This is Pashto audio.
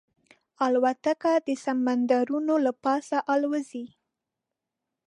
الوتکه د سمندرونو له پاسه الوزي.